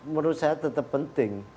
menurut saya tetap penting